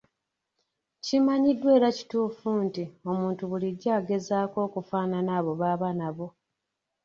Kimanyiddwa era kituufu nti ,omuntu bulijjo agezaako okufaanana abo b’aba nabo.